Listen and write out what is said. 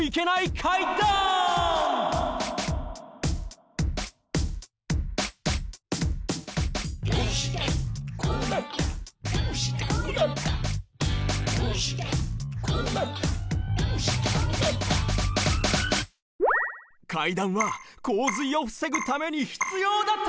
階段は洪水を防ぐためにひつようだった！